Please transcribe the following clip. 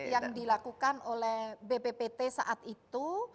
yang dilakukan oleh bppt saat itu